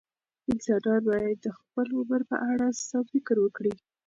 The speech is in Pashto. انسانان باید د خپل عمر په اړه سم فکر وکړي.